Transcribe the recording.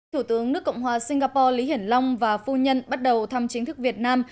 thủ tướng nước cộng hòa singapore lý hiển long và phu nhân bắt đầu thăm chính thức việt nam